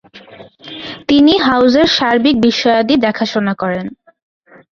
তিনি হাউসের সার্বিক বিষয়াদি দেখাশোনা করেন।